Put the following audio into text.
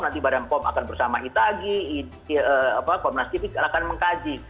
nanti badan pom akan bersama itagi komnas kipik akan mengkaji